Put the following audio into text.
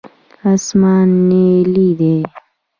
اسمان نیلي دی.